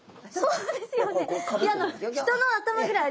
そうですよね！